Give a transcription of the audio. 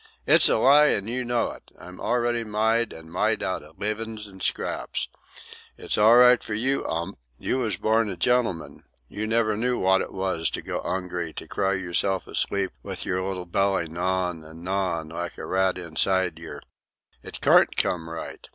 "It's a lie, and you know it. I'm already myde, an' myde out of leavin's an' scraps. It's all right for you, 'Ump. You was born a gentleman. You never knew wot it was to go 'ungry, to cry yerself asleep with yer little belly gnawin' an' gnawin', like a rat inside yer. It carn't come right.